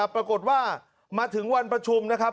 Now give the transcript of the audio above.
ปรากฏว่ามาถึงวันประชุมนะครับ